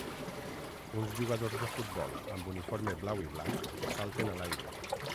Uns jugadors de futbol amb uniforme blau i blanc salten a l'aire